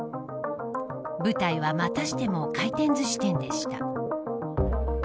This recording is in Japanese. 舞台はまたしても回転ずし店でした。